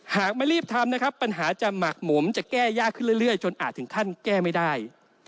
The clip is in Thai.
หากไม่รีบทำนะครับปัญหาจะหมักหมมจะแก้ยากขึ้นเรื่อยจนอาจถึงขั้นแก้ไม่ได้